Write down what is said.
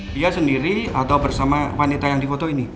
dia sendiri atau bersama wanita yang di foto ini